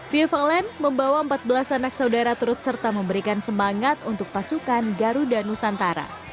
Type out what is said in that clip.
vivalen membawa empat belas anak saudara turut serta memberikan semangat untuk pasukan garuda nusantara